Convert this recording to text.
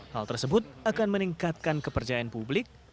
hal tersebut akan meningkatkan kepercayaan publik